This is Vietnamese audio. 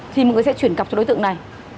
thì mọi người sẽ chuyển cọc cho đối tượng này